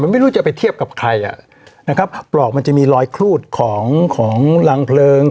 ไม่รู้จะไปเทียบกับใครอ่ะนะครับปลอกมันจะมีรอยครูดของของรังเพลิง